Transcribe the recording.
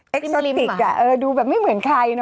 โอเคดิ๊กลิ้มหรือไหมอ่ะเอกซอสติกอ่ะเออดูแบบไม่เหมือนใครเนอะ